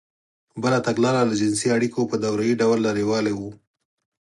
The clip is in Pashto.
بله تګلاره له جنسـي اړیکو په دورهیي ډول لرېوالی و.